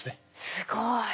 すごい。